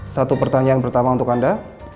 satu pertanyaan pertama untuk anda